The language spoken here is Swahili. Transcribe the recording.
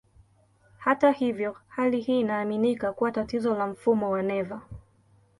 Hata hivyo, hali hii inaaminika kuwa tatizo la mfumo wa neva.